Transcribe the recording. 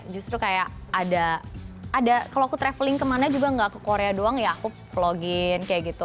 justru kayak ada kalau aku traveling kemana juga nggak ke korea doang ya aku vlogin kayak gitu